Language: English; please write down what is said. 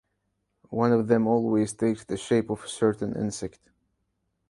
One of them always takes the shape of a certain insect.